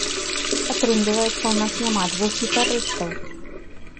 Атрымліваецца, у нас няма двух гітарыстаў.